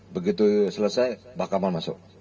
begitu selesai bakaman masuk